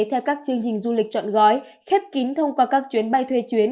theo các chương trình du lịch chọn gói khép kín thông qua các chuyến bay thuê chuyến